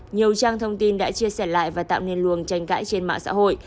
nhiều trang thông tin đã chia sẻ lại và tạo nên luồng tranh cãi trên mạng xã hội